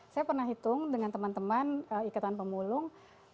saya pernah hitung dengan teman teman ikatan pemulung